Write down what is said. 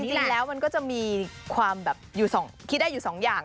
จริงแล้วมันก็จะมีความแบบคิดได้อยู่๒อย่าง